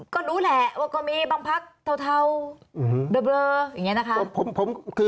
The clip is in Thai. ก็รู้แหละว่าก็มีบางพักเทาเบลออย่างนี้นะคะ